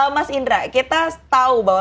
mas indra kita tahu bahwa